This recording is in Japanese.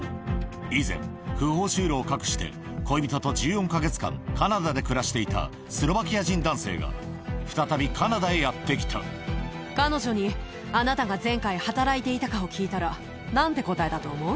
以前、不法就労を隠して、恋人と１４か月間、カナダで暮らしていたスロバキア人男性が再び彼女に、あなたが前回、働いていたかを聞いたら、なんて答えたと思う？